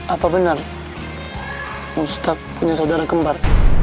apa benar ustadz punya saudara kembar